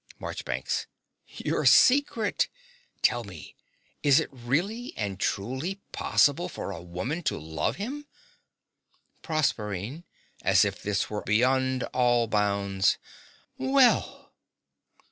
MARCHBANKS. Your secret. Tell me: is it really and truly possible for a woman to love him? PROSERPINE (as if this were beyond all bounds). Well!!